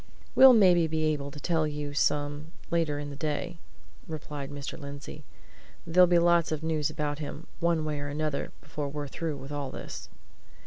"We'll maybe be able to tell you some later in the day," replied Mr. Lindsey. "There'll be lots of news about him, one way or another, before we're through with all this."